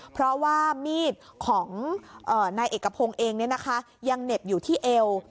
เพราะว่ามีดของนายเอกพงเองเนี่ยนะคะยังเหน็บอยู่ที่เอว